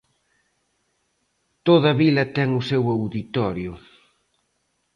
Toda vila ten o seu auditorio.